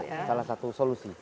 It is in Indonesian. iya salah satu solusi